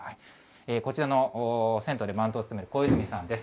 こちらの銭湯で番頭を務める小泉さんです。